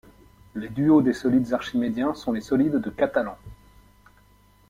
Les duaux des solides archimédiens sont les solides de Catalan.